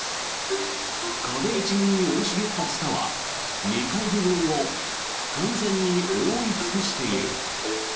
壁一面に生い茂ったツタは２階部分を完全に覆い尽くしている。